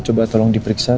coba tolong diperiksa